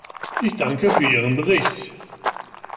Ich danke für Ihren Bericht.